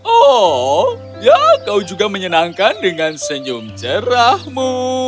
oh ya kau juga menyenangkan dengan senyum cerahmu